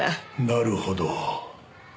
なるほど。